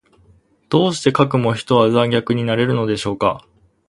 どうしてかくも人は残虐になれるのでしょうか。